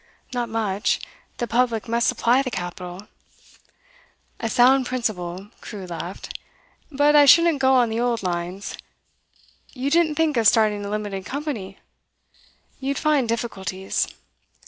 'Not much. The public must supply the capital.' 'A sound principle,' Crewe laughed. 'But I shouldn't go on the old lines. You didn't think of starting a limited company? You'd find difficulties.